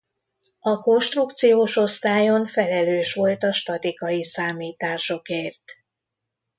A konstrukciós osztályon felelős volt a statikai számításokért.